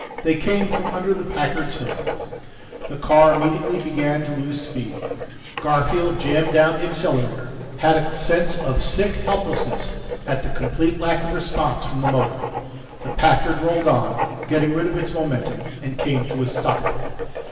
They came from under the Packard's hood. The car immediately began to lose speed. Garfield jammed down the accelerator, had a sense of sick helplessness at the complete lack of response from the motor. The Packard rolled on, getting rid of its momentum, and came to a stop.